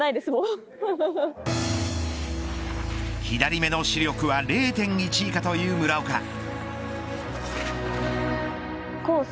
左目の視力は０．１以下という村岡。